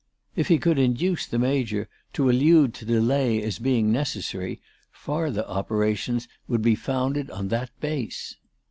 If he could induce the Major to allude to delay as being necessary, farther operations would be founded on that base.